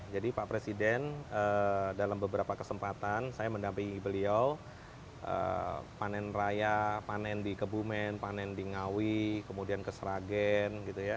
jadi pak presiden dalam beberapa kesempatan saya mendampingi beliau panen raya panen di kebumen panen di ngawi kemudian ke seragen